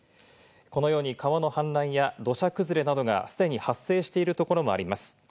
このように川の氾濫や土砂崩れなどが既に発生しているところもあります。